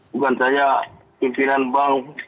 bukan hanya pimpinan bank